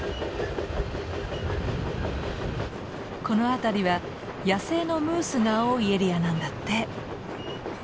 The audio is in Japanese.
この辺りは野生のムースが多いエリアなんだって。